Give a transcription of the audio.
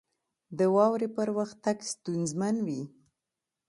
• د واورې پر وخت تګ ستونزمن وي.